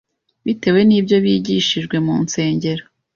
bitewe n’ibyo bigishijwe mu nsengero.